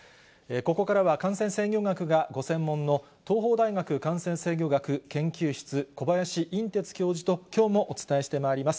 ここからは感染制御学がご専門の、東邦大学感染制御学研究室、小林寅てつ教授ときょうもお伝えしてまいります。